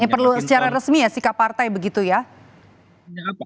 ini perlu secara resmi ya sikap partai begitu ya